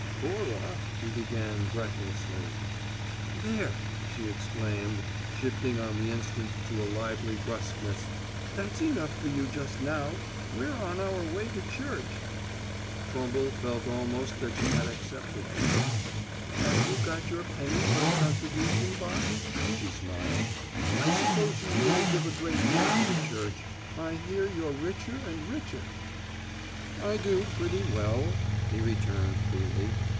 "Cora " he began, breathlessly. "There!" she exclaimed, shifting on the instant to a lively brusqueness. "That's enough for you just now. We're on our way to church!" Trumble felt almost that she had accepted him. "Have you got your penny for the contribution box?" she smiled. "I suppose you really give a great deal to the church. I hear you're richer and richer." "I do pretty well," he returned, coolly.